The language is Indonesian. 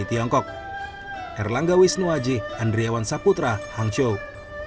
yang pernah berkuasa di tiongkok